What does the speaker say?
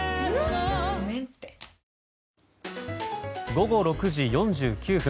午後６時４９分。